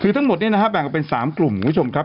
คือทั้งหมดเนี่ยนะฮะแบ่งออกเป็น๓กลุ่มคุณผู้ชมครับ